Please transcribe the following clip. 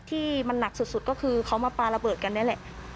ที่มันหนักสุดก็คือเขามาปลาระเบิดกันนี่แหละ